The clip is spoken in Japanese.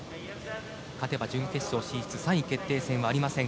勝てば準決勝進出３位決定戦はありません。